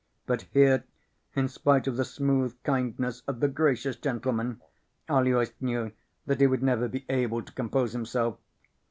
But here, in spite of the smooth kindness of the gracious gentleman, Aloys knew that he would never be able to compose himself.